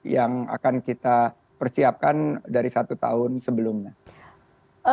yang akan kita persiapkan dari satu tahun sebelumnya